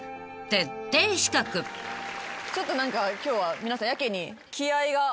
ちょっと何か今日は皆さんやけに気合が。